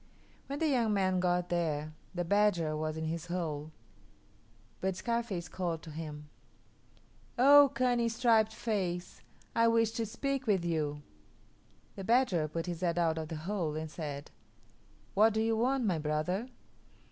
When the young man got there, the badger was in his hole. But Scarface called to him, "Oh, cunning striped face! I wish to speak with you." The badger put his head out of the hole and said, "What do you want, my brother?"